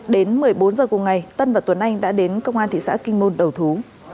đến một mươi bốn h cùng ngày tân và tuấn anh đã đến công an thị xã kinh môn đầu thú